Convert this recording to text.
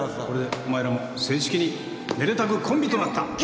これでお前らも正式にめでたくコンビとなった